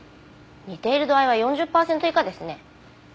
似ている度合いは４０パーセント以下ですね。